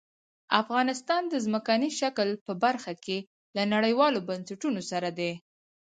افغانستان د ځمکني شکل په برخه کې له نړیوالو بنسټونو سره دی.